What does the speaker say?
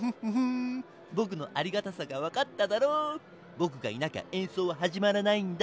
ボクがいなきゃえんそうははじまらないんだ。